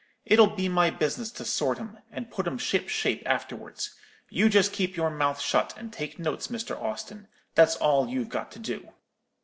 It'll be my business to sort 'em, and put 'em ship shape afterwards. You just keep your mouth shut, and take notes, Mr. Austin; that's all you've got to do.'